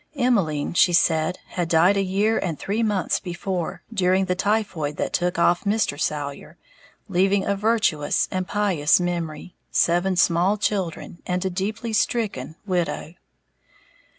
Emmeline, she said, had died a year and three months before, during the typhoid that took off Mr. Salyer, leaving a virtuous and pious memory, seven small children, and a deeply stricken "widow."